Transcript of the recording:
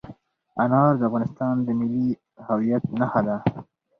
انار د افغانستان د ملي هویت نښه ده.